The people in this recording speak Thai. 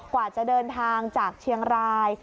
กว่าจะเดินทางจากเชียงราย